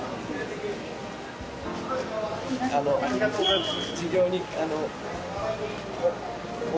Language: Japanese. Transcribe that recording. ありがとうございます。